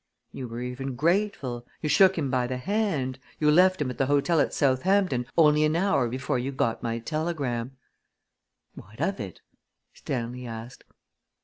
"You were even grateful. You shook him by the hand. You left him at the hotel at Southampton only an hour before you got my telegram." "What of it?" Stanley asked.